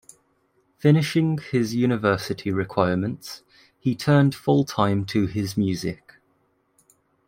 Finishing his university requirements, he turned full-time to his music.